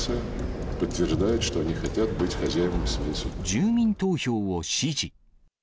住民投票を支持。